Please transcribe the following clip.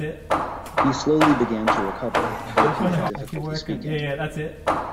He slowly began to recover, though he had difficulty speaking.